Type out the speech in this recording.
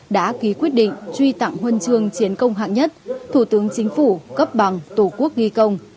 đã ký quyết định truy tặng huân chương chiến công hạng nhất thủ tướng chính phủ cấp bằng tổ quốc ghi công